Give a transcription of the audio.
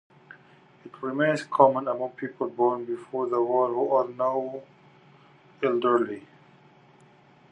It remains common among people born before the war, who are now elderly.